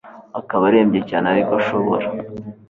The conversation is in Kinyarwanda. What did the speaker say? akaba arembye cyane ariko ashobora